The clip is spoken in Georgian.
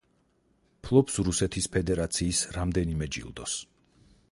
ფლობს რუსეთის ფედერაციის რამდენიმე ჯილდოს.